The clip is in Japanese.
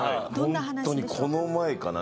本当にこの前かな？